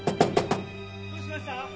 どうしました？